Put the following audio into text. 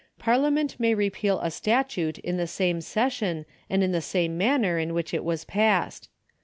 Parliament may rejieal a statute in the same session and in the same manner in which it was passed.